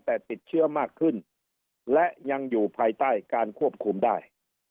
แต่ติดเชื้อมากขึ้นและยังอยู่ภายใต้การควบคุมได้